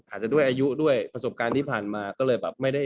อาจจะด้วยอายุด้วยประสบการณ์ที่ผ่านมาก็เลยแบบไม่ได้